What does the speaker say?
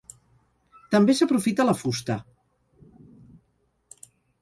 També s'aprofita la fusta.